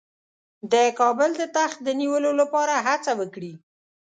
د کابل د تخت د نیولو لپاره هڅه وکړي.